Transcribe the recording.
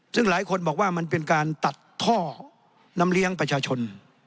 ซึ่งหลายคนบอกว่ามันเป็นการตัดท่อน้ำเลี้ยงประชาชน